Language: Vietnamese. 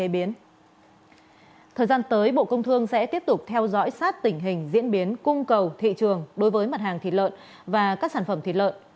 bộ công thương sẽ tiếp tục theo dõi sát tình hình diễn biến cung cầu thị trường đối với mặt hàng thịt lợn và các sản phẩm thịt lợn